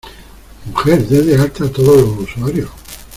¡Mujer, de de alta a todos los usuarios!